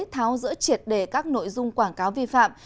tháo giữa triệt đề các nội dung quảng cáo vi phạm